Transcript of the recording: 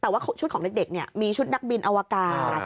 แต่ว่าชุดของเด็กมีชุดนักบินอวกาศ